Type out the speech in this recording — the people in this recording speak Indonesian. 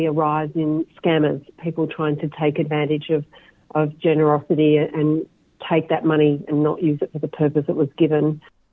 orang orang yang mencoba mengambil kebenaran dan mengambil uang itu dan tidak menggunakannya untuk tujuan yang diberikan